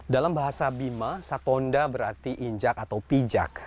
dalam bahasa bima satonda berarti injak atau pijak